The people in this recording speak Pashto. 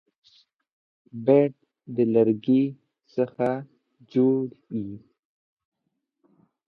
بیټ د لرګي څخه جوړ يي.